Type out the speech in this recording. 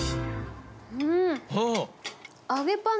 うん。